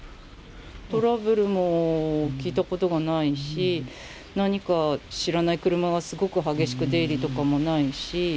トラブルも聞いたことがないし、何か知らない車がすごく激しく出入りとかもないし。